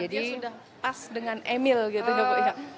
dia sudah pas dengan emil gitu ya